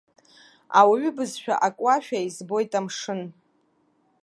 Ауаҩы бызшәа акуашәа избоит амшын.